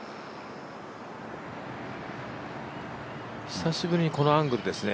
久しぶりにこのアングルですね。